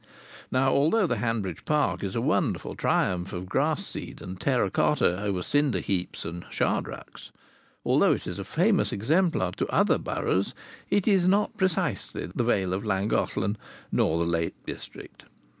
Now, although the Hanbridge Park is a wonderful triumph of grass seed and terra cotta over cinder heaps and shard rucks, although it is a famous exemplar to other boroughs, it is not precisely the Vale of Llangollen, nor the Lake District.